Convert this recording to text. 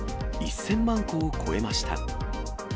１０００万個を超えました。